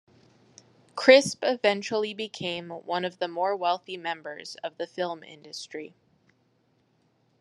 Crisp eventually became one of the more wealthy members of the film industry.